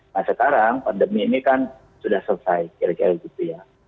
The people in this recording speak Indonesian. nah sekarang pandemi ini kan sudah selesai kira kira gitu ya